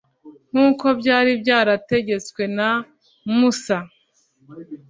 nk'uko byari byarategetswe na musa